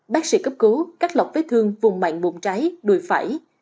bác sĩ cấp cứu cắt lọc vết thương vùng mạng bụng trái đùi phải